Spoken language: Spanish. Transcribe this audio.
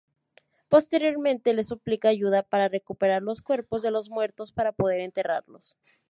Posteriormente le suplica ayuda para recuperar los cuerpos de los muertos para poder enterrarlos.